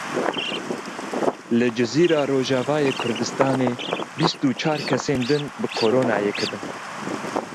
Li Cizîr a Rojavayê Kurdistanê bîst û çar kesên din bi Koronayê ketin.